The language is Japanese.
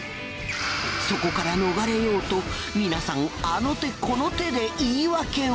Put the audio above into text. そこから逃れようと皆さんあの手この手で言い訳を。